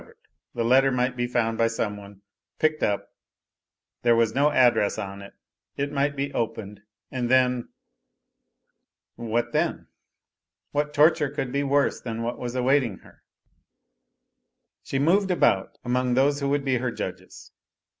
red, the letter might be found by some one, picked up; there was no address on it, it might be opened, and then ... What then ? What torture could be worse than what was awaiting her ? She moved about among those^who would be }H r judges.